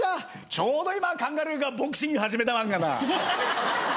ちょうど今カンガルーがボクシング始めたまんがな。